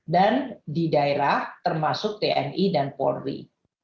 dan di daerah termasuk tni dan polri